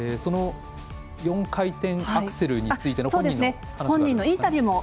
４回転アクセルについての本人のインタビュー